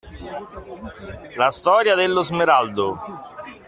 La storia dello smeraldo!